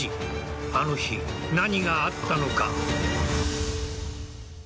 あの日、何があったのか。